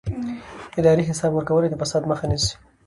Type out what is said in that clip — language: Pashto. اداري حساب ورکونه د فساد مخه نیسي